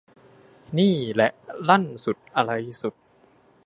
นี่แหละ ลั่นสุดอะไรสุด